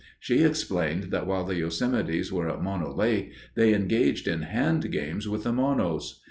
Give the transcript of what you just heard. She explained that while the Yosemites were at Mono Lake they engaged in hand games with the Monos.